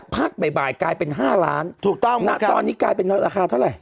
พักบ่ายกลายเป็น๕ล้านถูกต้องณตอนนี้กลายเป็นราคาเท่าไหร่